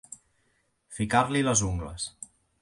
Ficar-li les ungles.